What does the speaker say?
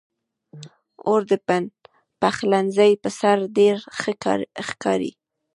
اوړه د پخلنځي پر سر ډېر ښه ښکاري